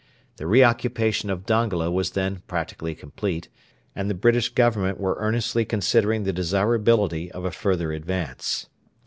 The re occupation of Dongola was then practically complete, and the British Government were earnestly considering the desirability of a further advance.